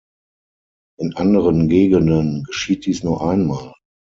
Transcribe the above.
In anderen Gegenden geschieht dies nur einmal.